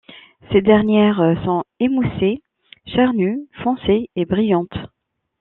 Ces dernières sont émoussées, charnues, foncées et brillantes.